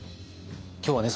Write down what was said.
今日はね